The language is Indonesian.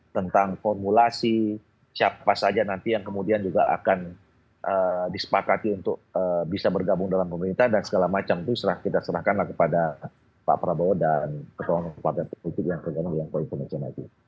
tentang formulasi siapa saja nanti yang kemudian juga akan disepakati untuk bisa bergabung dalam pemerintahan dan segala macam itu kita serahkanlah kepada pak prabowo dan ketua komunikasi partai politik yang tergantung di indonesia maju